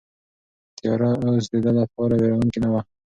تیاره اوس د ده لپاره وېروونکې نه وه.